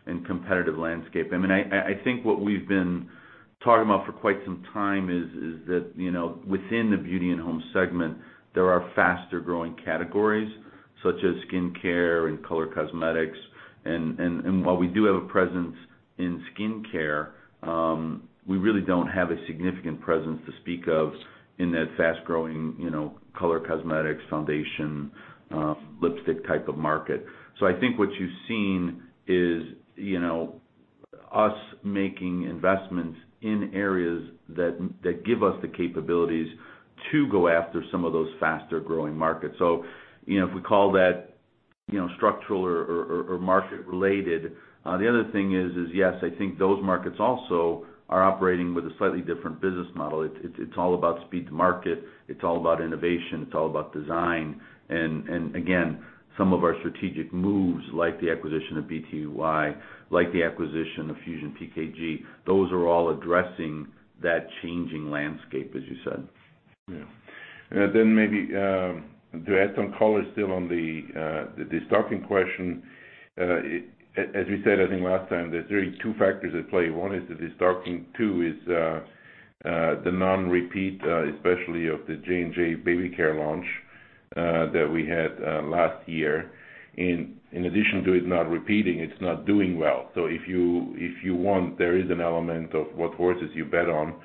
[SPEAKER 4] and competitive landscape. I think what we've been talking about for quite some time is that within the Beauty + Home segment, there are faster growing categories such as skincare and color cosmetics. While we do have a presence in skincare, we really don't have a significant presence to speak of in that fast-growing color cosmetics, foundation, lipstick type of market. I think what you've seen is us making investments in areas that give us the capabilities to go after some of those faster-growing markets. If we call that structural or market related. The other thing is, yes, I think those markets also are operating with a slightly different business model. It's all about speed to market. It's all about innovation. It's all about design. Again, some of our strategic moves like the acquisition of BTY, like the acquisition of FusionPKG, those are all addressing that changing landscape, as you said.
[SPEAKER 3] Yeah. Maybe to add some color still on the destocking question. As we said, I think last time, there's really two factors at play. One is the destocking, two is the non-repeat, especially of the J&J baby care launch that we had last year. In addition to it not repeating, it's not doing well. If you want, there is an element of what horses you bet on,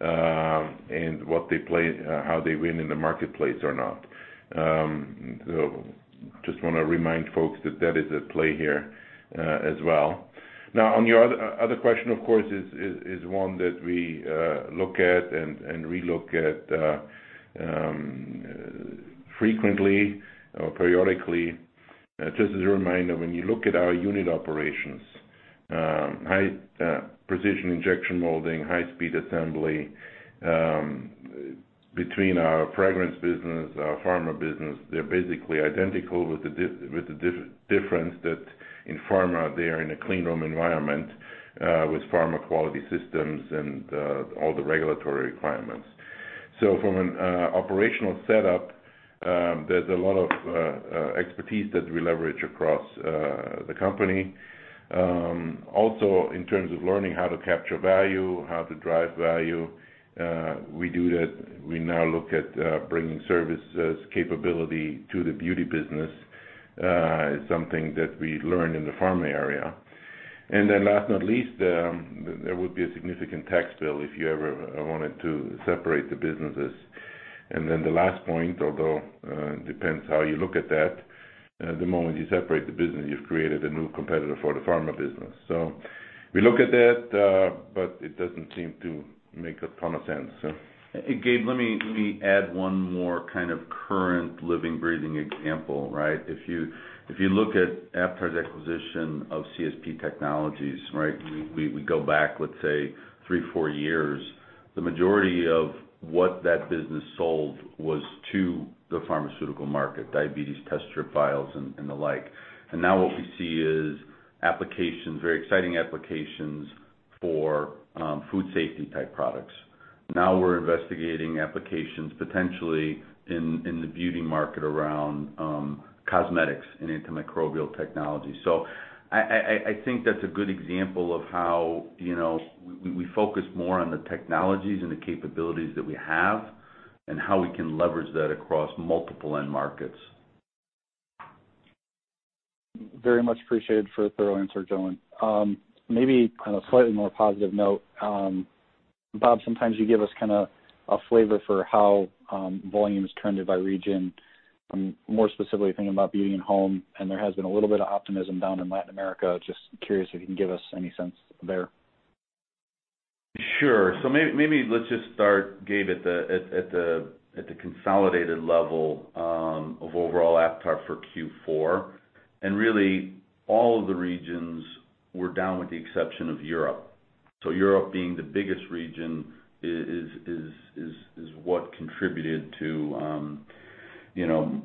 [SPEAKER 3] and how they win in the marketplace or not. Just want to remind folks that that is at play here as well. On your other question, of course, is one that we look at and re-look at frequently or periodically. Just as a reminder, when you look at our unit operations, high precision injection molding, high speed assembly, between our fragrance business, our Pharma business, they're basically identical with the difference that in Pharma, they are in a cleanroom environment, with Pharma quality systems and all the regulatory requirements. From an operational setup, there's a lot of expertise that we leverage across the company. In terms of learning how to capture value, how to drive value, we now look at bringing services capability to the beauty business. It's something that we learned in the Pharma area. Last, not least, there would be a significant tax bill if you ever wanted to separate the businesses. The last point, although it depends how you look at that, the moment you separate the business, you've created a new competitor for the Pharma business. We look at that, but it doesn't seem to make a ton of sense.
[SPEAKER 4] Gabe, let me add one more kind of current living, breathing example. If you look at Aptar's acquisition of CSP Technologies, we go back, let's say three, four years, the majority of what that business sold was to the pharmaceutical market, diabetes test strip files and the like. Now what we see is very exciting applications for food safety-type products. Now we're investigating applications potentially in the beauty market around cosmetics and antimicrobial technology. I think that's a good example of how we focus more on the technologies and the capabilities that we have, and how we can leverage that across multiple end markets.
[SPEAKER 11] Very much appreciated for the thorough answer, gentlemen. Maybe on a slightly more positive note, Bob, sometimes you give us kind of a flavor for how volume has trended by region. I'm more specifically thinking about Beauty + Home. There has been a little bit of optimism down in Latin America. Just curious if you can give us any sense there.
[SPEAKER 4] Sure. Maybe let's just start, Gabe, at the consolidated level of overall Aptar for Q4, and really all of the regions were down with the exception of Europe. Europe being the biggest region is what contributed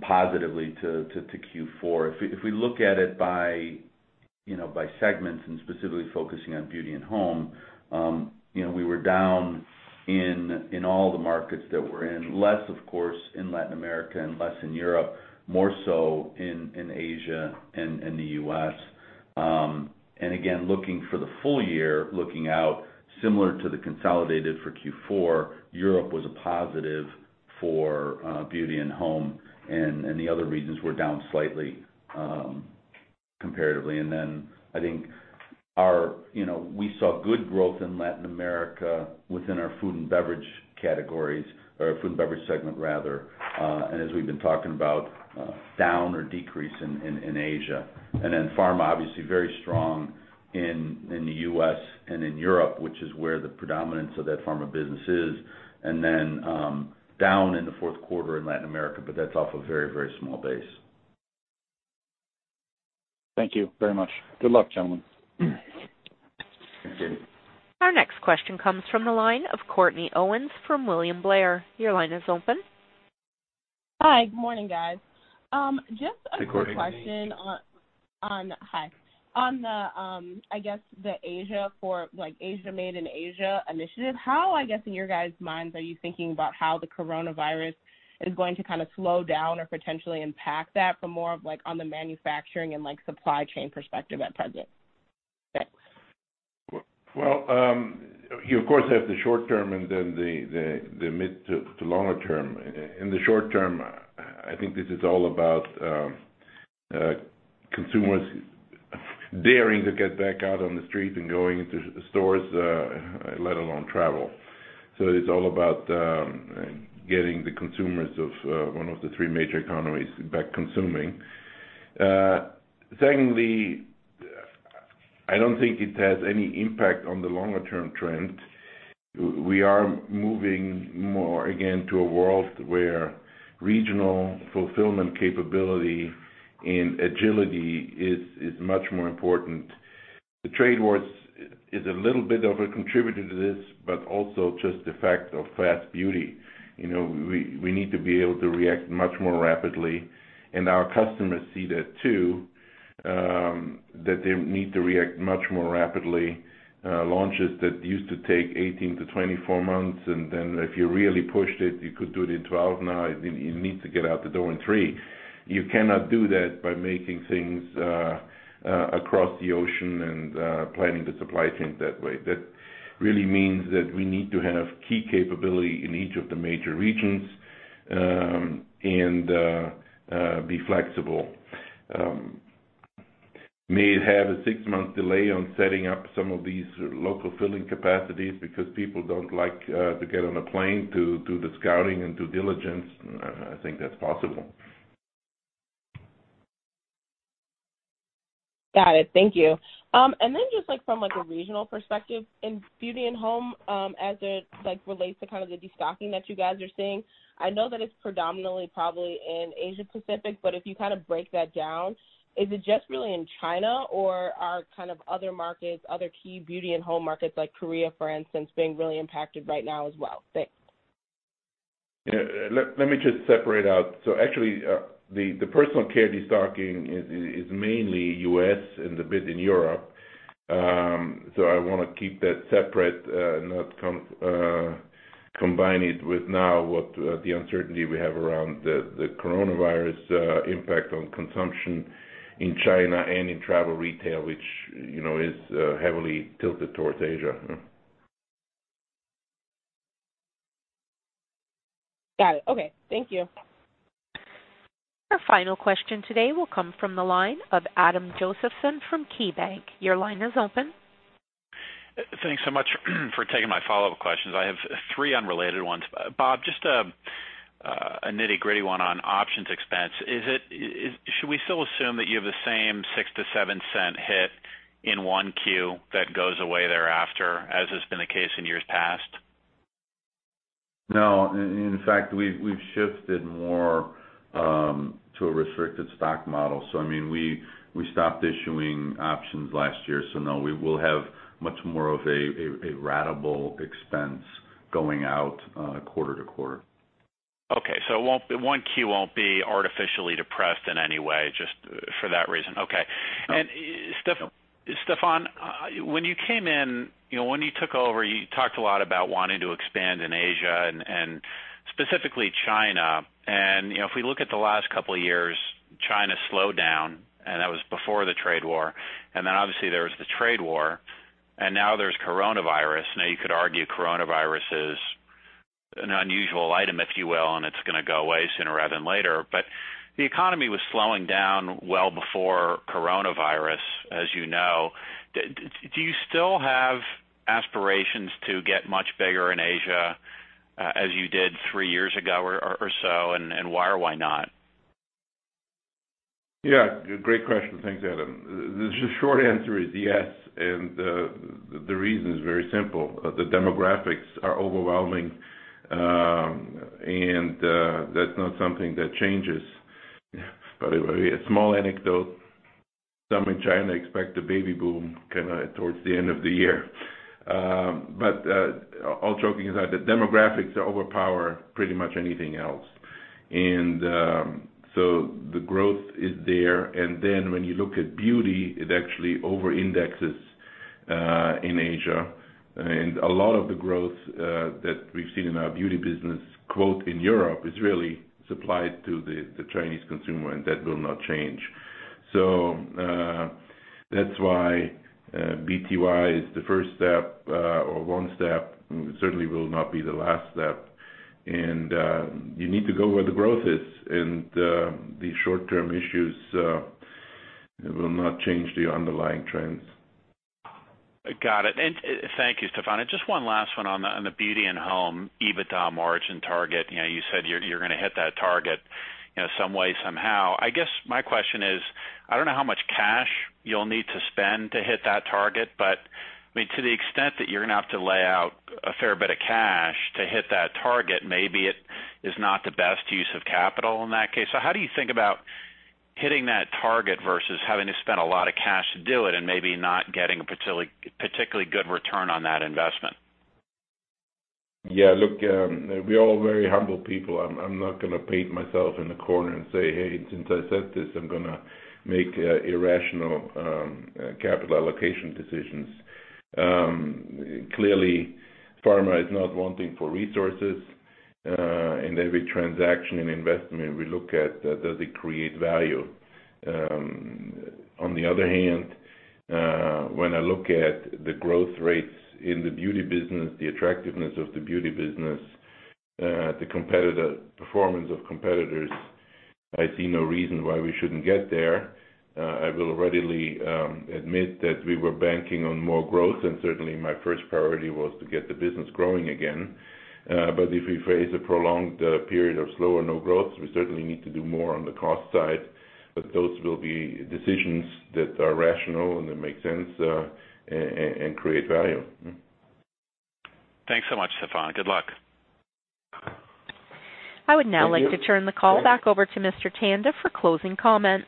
[SPEAKER 4] positively to Q4. If we look at it by segments and specifically focusing on Beauty + Home, we were down in all the markets that we're in. Less, of course, in Latin America and less in Europe, more so in Asia and the U.S. Again, looking for the full year, looking out similar to the consolidated for Q4, Europe was a positive for Beauty + Home, and the other regions were down slightly comparatively. I think we saw good growth in Latin America within our Food + Beverage categories or Food + Beverage segment, rather. As we've been talking about, down or decrease in Asia. Pharma, obviously very strong in the U.S. and in Europe, which is where the predominance of that Pharma business is. Down in the fourth quarter in Latin America, but that's off a very small base.
[SPEAKER 11] Thank you very much. Good luck, gentlemen.
[SPEAKER 3] Thank you.
[SPEAKER 1] Our next question comes from the line of Courtney Owens from William Blair. Your line is open.
[SPEAKER 12] Hi. Good morning, guys.
[SPEAKER 4] Hey, Courtney.
[SPEAKER 12] Just a quick question. Hi. On the, I guess, the Asia-made in Asia initiative, how, I guess, in your guys' minds are you thinking about how the coronavirus is going to kind of slow down or potentially impact that from more on the manufacturing and supply chain perspective at present? Thanks.
[SPEAKER 3] You of course have the short term and then the mid to longer term. In the short term, I think this is all about consumers daring to get back out on the street and going into stores, let alone travel. It's all about getting the consumers of one of the three major economies back consuming. Secondly, I don't think it has any impact on the longer-term trend. We are moving more, again, to a world where regional fulfillment capability and agility is much more important. The trade wars is a little bit of a contributor to this, but also just the fact of fast beauty. We need to be able to react much more rapidly, and our customers see that too, that they need to react much more rapidly. Launches that used to take 18-24 months, and then if you really pushed it, you could do it in 12. Now you need to get out the door in three. You cannot do that by making things across the ocean and planning the supply chain that way. That really means that we need to have key capability in each of the major regions, and be flexible. May have a six-month delay on setting up some of these local filling capacities because people don't like to get on a plane to do the scouting and due diligence. I think that's possible.
[SPEAKER 12] Got it. Thank you. Just from a regional perspective in Beauty + Home, as it relates to kind of the destocking that you guys are seeing, I know that it's predominantly probably in Asia Pacific, but if you kind of break that down, is it just really in China, or are kind of other markets, other key Beauty + Home markets like Korea, for instance, being really impacted right now as well? Thanks.
[SPEAKER 3] Yeah. Let me just separate out. Actually, the personal care destocking is mainly U.S. and a bit in Europe. I want to keep that separate, not combine it with now what the uncertainty we have around the coronavirus impact on consumption in China and in travel retail, which is heavily tilted towards Asia.
[SPEAKER 12] Got it. Okay. Thank you.
[SPEAKER 1] Our final question today will come from the line of Adam Josephson from KeyBanc. Your line is open.
[SPEAKER 7] Thanks so much for taking my follow-up questions. I have three unrelated ones. Bob, just a nitty-gritty one on options expense. Should we still assume that you have the same $0.06-$0.07 hit in 1Q that goes away thereafter, as has been the case in years past?
[SPEAKER 4] No. In fact, we've shifted more to a restricted stock model. We stopped issuing options last year, so no. We will have much more of a ratable expense going out quarter to quarter.
[SPEAKER 7] Okay, 1Q won't be artificially depressed in any way, just for that reason. Okay.
[SPEAKER 4] No.
[SPEAKER 7] Stephan, when you came in, when you took over, you talked a lot about wanting to expand in Asia and specifically China. If we look at the last couple of years, China slowed down, and that was before the trade war. Obviously there was the trade war, and now there's coronavirus. You could argue coronavirus is an unusual item, if you will, and it's going to go away sooner rather than later. The economy was slowing down well before coronavirus, as you know. Do you still have aspirations to get much bigger in Asia, as you did three years ago or so, and why or why not?
[SPEAKER 3] Yeah, great question. Thanks, Adam. The short answer is yes, and the reason is very simple. The demographics are overwhelming, and that's not something that changes. By the way, a small anecdote, some in China expect a baby boom kind of towards the end of the year. All joking aside, the demographics overpower pretty much anything else. The growth is there. When you look at beauty, it actually over-indexes in Asia. A lot of the growth that we've seen in our beauty business, quote, in Europe is really supplied to the Chinese consumer, and that will not change. That's why BTY is the first step, or one step. Certainly will not be the last step. You need to go where the growth is, and these short-term issues will not change the underlying trends.
[SPEAKER 7] Got it. Thank you, Stephan. Just one last one on the Beauty + Home EBITDA margin target. You said you're going to hit that target some way, somehow. I guess my question is, I don't know how much cash you'll need to spend to hit that target, but to the extent that you're going to have to lay out a fair bit of cash to hit that target, maybe it is not the best use of capital in that case. How do you think about hitting that target versus having to spend a lot of cash to do it and maybe not getting a particularly good return on that investment?
[SPEAKER 3] Look, we're all very humble people. I'm not going to paint myself in the corner and say, "Hey, since I said this, I'm going to make irrational capital allocation decisions." Clearly, Pharma is not wanting for resources. In every transaction and investment we look at, does it create value? On the other hand, when I look at the growth rates in the beauty business, the attractiveness of the beauty business, the performance of competitors, I see no reason why we shouldn't get there. I will readily admit that we were banking on more growth, and certainly my first priority was to get the business growing again. If we face a prolonged period of slow or no growth, we certainly need to do more on the cost side. Those will be decisions that are rational and that make sense and create value.
[SPEAKER 7] Thanks so much, Stephan. Good luck.
[SPEAKER 3] Thank you.
[SPEAKER 1] I would now like to turn the call back over to Mr. Tanda for closing comments.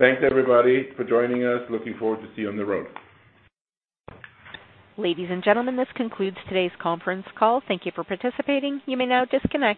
[SPEAKER 3] Thanks everybody for joining us. Looking forward to see you on the road.
[SPEAKER 1] Ladies and gentlemen, this concludes today's conference call. Thank you for participating. You may now disconnect.